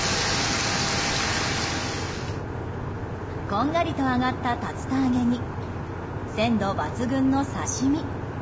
こんがりと揚がった竜田揚げに鮮度抜群の刺し身。